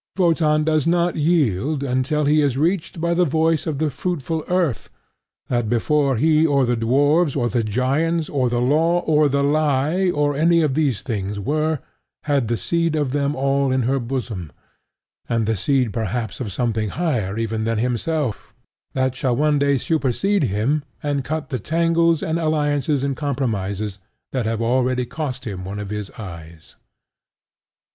Wotan does not yield until he is reached by the voice of the fruitful earth that before he or the dwarfs or the giants or the Law or the Lie or any of these things were, had the seed of them all in her bosom, and the seed perhaps of something higher even than himself, that shall one day supersede him and cut the tangles and alliances and compromises that already have cost him one of his eyes.